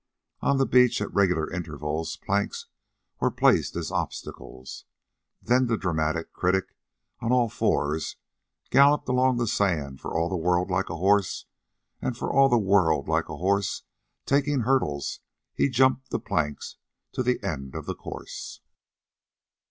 On the beach, at regular intervals, planks were placed as obstacles. Then the dramatic critic, on all fours, galloped along the sand for all the world like a horse, and for all the world like a horse taking hurdles he jumped the planks to the end of the course.